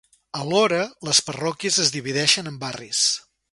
Alhora, les parròquies es divideixen en barris.